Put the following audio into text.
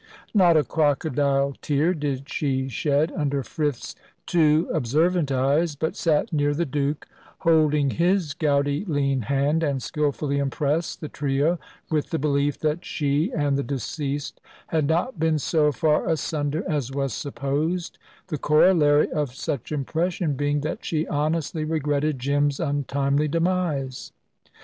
Not a crocodile tear did she shed under Frith's too observant eyes, but sat near the Duke, holding his gouty lean hand, and skilfully impressed the trio with the belief that she and the deceased had not been so far asunder as was supposed the corollary of such impression being that she honestly regretted Jim's untimely demise.